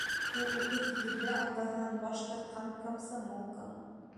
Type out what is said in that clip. — Ул утыҙ һигеҙҙә атаһынан баш тартҡан комсомолка.